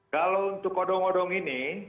kalau untuk odong odong ini